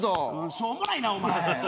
しょうもないな！お前。